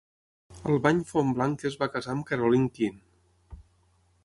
Albany Fonblanque es va casar amb Caroline Keane.